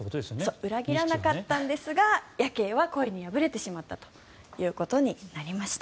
そう裏切らなかったんですがヤケイは恋に敗れてしまったということになりました。